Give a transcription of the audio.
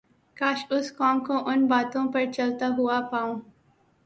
کاش اس قوم کو ان باتوں پر چلتا ھوا پاؤں